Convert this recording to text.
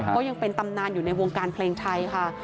เพราะยังเป็นตำนานอยู่ในวงการเพลงไทยค่ะ